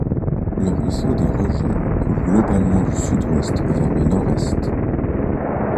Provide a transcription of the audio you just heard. Le ruisseau des Rejets coule globalement du sud-ouest vers le nord-est.